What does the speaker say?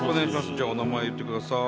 じゃあお名前言ってください。